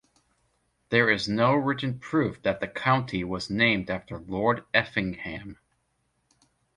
There is no written proof that the county was named after Lord Effingham.